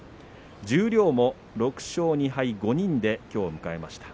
十両も６勝２敗５人できょうを迎えました。